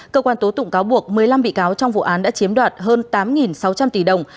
cơ quan tố tụng cáo buộc một mươi năm bị cáo trong vụ án đã chiếm đoạt hơn tám sáu trăm linh tỷ đồng